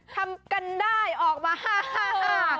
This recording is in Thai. ทำกันได้ออกมาฮ่า